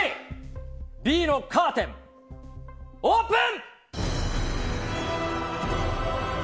Ｂのカーテン、オープン！